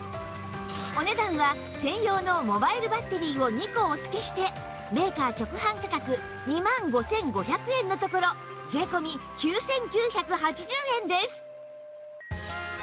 お値段は専用のモバイルバッテリーを２個お付けしてメーカー直販価格２万５５００円のところ税込９９８０円です！